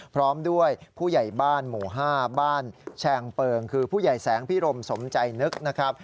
พร้อมด้วยผู้ใหญ่บ้านหมู่๕บ้านแชงเปิงคือผู้ใหญ่แสงพิรมสมใจนึกนะครับ